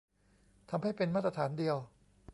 ทำให้เป็นมาตรฐานเดียว